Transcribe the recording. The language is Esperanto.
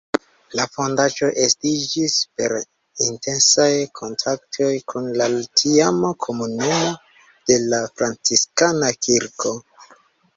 La fondaĵo estiĝis per intensaj kontaktoj kun la tiama komunumo de la Franciskana kirko.